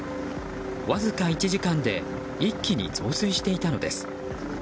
わずか１時間で一気に増水していたのです。